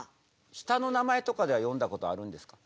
下の名前とかではよんだことあるんですか？